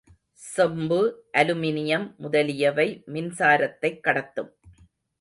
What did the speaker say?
செம்பு, அலுமினியம் முதலியவை மின்சாரத்தைக் கடத்தும்.